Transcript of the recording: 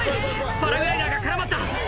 パラグライダーが絡まった」